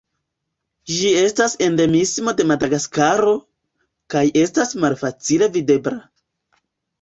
Ĝi estas endemismo de Madagaskaro, kaj estas malfacile videbla.